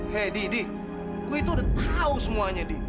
hei di di gue itu udah tahu semuanya di